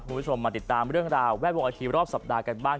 คุณผู้ชมมาติดตามเรื่องราวแวดวงอาทิตย์รอบสัปดาห์กันบ้าง